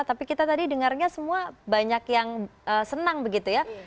tapi kita tadi dengarnya semua banyak yang senang begitu ya